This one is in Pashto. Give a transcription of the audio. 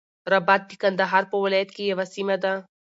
رباط د قندهار په ولایت کی یوه سیمه ده.